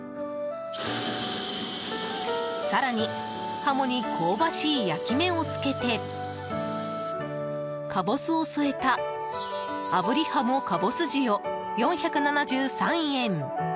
更に、ハモに香ばしい焼き目をつけてカボスを添えた炙りはもかぼす塩、４７３円。